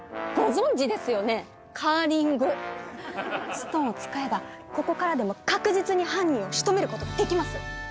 ストーンを使えばここからでも確実に犯人をしとめることができます！